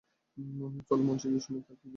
চলো মঞ্চে গিয়ে শুনি তার কী কী মনে আছে।